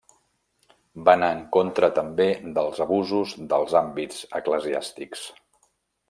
Va anar en contra també dels abusos dels àmbits eclesiàstics.